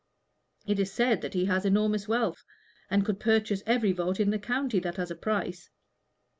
It is said that he has enormous wealth, and could purchase every vote in the county that has a price."